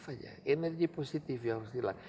enggak lho energi positif aja